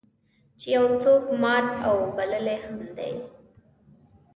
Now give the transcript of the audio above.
چې یو څوک مات او بایللی هم دی.